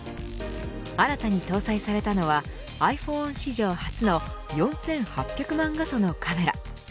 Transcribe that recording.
新たに搭載されたのはｉＰｈｏｎｅ史上初の４８００万画素のカメラ。